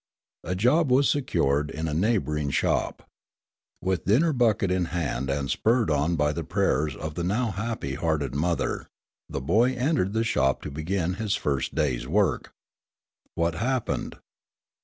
A job was secured in a neighbouring shop. With dinner bucket in hand and spurred on by the prayers of the now happy hearted mother, the boy entered the shop to begin his first day's work. What happened?